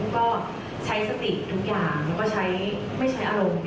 ก็ใช้สติทุกอย่างแล้วก็ไม่ใช้อารมณ์เป็นอากาศของใจ